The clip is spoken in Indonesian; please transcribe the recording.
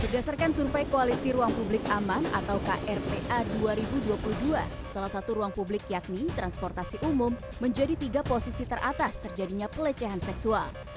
berdasarkan survei koalisi ruang publik aman atau krpa dua ribu dua puluh dua salah satu ruang publik yakni transportasi umum menjadi tiga posisi teratas terjadinya pelecehan seksual